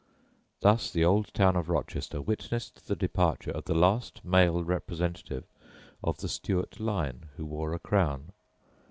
Thus the old town of Rochester witnessed the departure of the last male representative of the Stuart line who wore a crown.